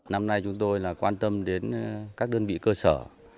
năm nay chúng tôi là quan tâm đến các đơn vị cơ sở